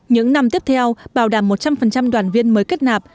những năm tiếp theo bảo đảm một trăm linh đoàn viên mới kết nạp